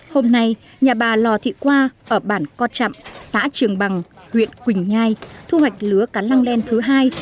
hôm nay nhà bà lò thị qua ở bản co trạm xã trường bằng huyện quỳnh nhai thu hoạch lứa cá lăng len thứ hai